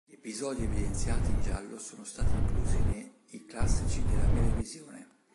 Gli episodi evidenziati in giallo sono stati inclusi ne "I Classici della Melevisione".